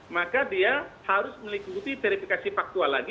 maka dia harus mengikuti verifikasi faktual lagi